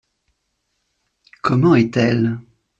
Comment est-elle ?